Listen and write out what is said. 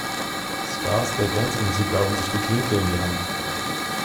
Stars der Dancemusik gaben sich die Klinke in die Hand.